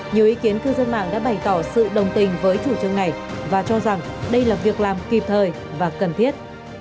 nhiều ý kiến cư dân mạng đã bày tỏ sự đồng tình với chủ trương này và cho rằng đây là việc làm kịp thời và cần thiết